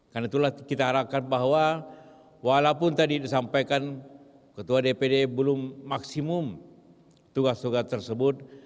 karena itulah kita harapkan bahwa walaupun tadi disampaikan ketua dpd belum maksimum tugas tugas tersebut